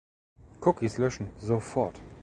Cookies löschen, sofort!